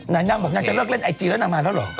น้ำน้ำน้ำจะเลิกเล่นไอจีแล้วน้ำมาแล้วหรอ